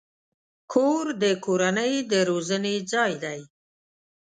کور د کورنۍ د روزنې ځای دی.